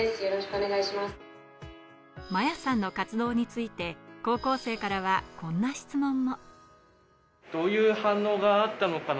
摩耶さんの活動について、高校生からはこんな質問も。